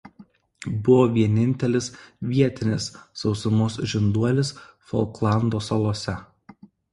Buvo vienintelis vietinis sausumos žinduolis Folklando salose.